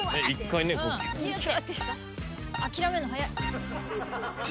諦めんの早い。